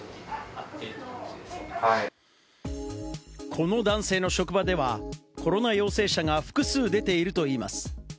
この男性の職場ではコロナ陽性者が複数出ているといいます。